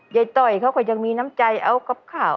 ต้อยเขาก็ยังมีน้ำใจเอากับข่าว